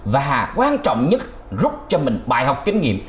và quan trọng nhất rút cho mình bài học kinh nghiệm